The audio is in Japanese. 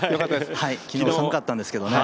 昨日、寒かったんですけどね。